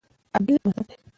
عدل وساتئ.